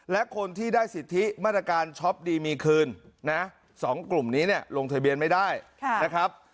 และคนที่ได้สิทธิมาตรการช็อปดีมีคืนนะ๒กลุ่มนี้เนี่ยลงทะเบียนไม่ได้นะครับ